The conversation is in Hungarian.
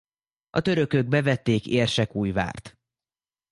A törökök bevették Érsekújvárt.